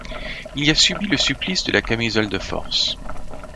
Il y a subi le supplice de la camisole de force.